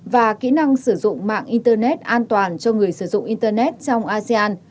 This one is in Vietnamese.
và kỹ năng sử dụng mạng internet an toàn cho người sử dụng internet trong asean